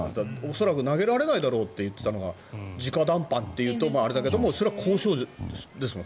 恐らく投げられないだろうといっていたのが直談判というのもあれだけどそれは交渉ですよね。